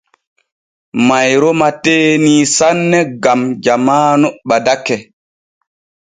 Mayroma teenii saane gam jamaanu ɓadake.